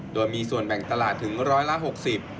โดยมีส่วนแบ่งตลาดถึง๑๐๐ล้าน๖๐